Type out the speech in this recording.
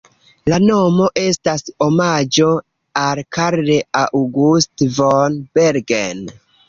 La nomo estas omaĝo al Karl August von Bergen.